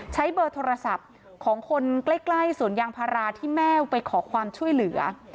ใช้เบอร์โทรศัพท์ของคนใกล้สวนยางพาราที่แม่ไปขอความช่วยเหลือ